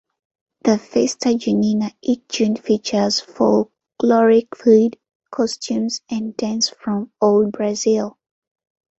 The "Festa Junina" each June features folkloric food, costumes, and dance from old Brazil.